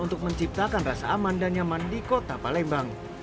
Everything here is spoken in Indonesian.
untuk menciptakan rasa aman dan nyaman di kota palembang